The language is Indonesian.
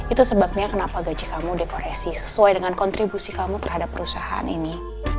itu sebabnya kenapa gaji kamu dikoreksi sesuai dengan kontribusi kamu terhadap perusahaanmu